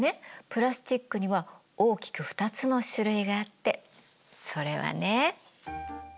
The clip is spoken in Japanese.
プラスチックには大きく２つの種類があってそれはね